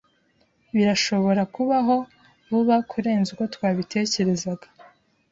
Birashobora kubaho vuba kurenza uko twabitekerezaga.